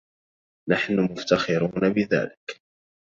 نحن مفتخرون بذلك.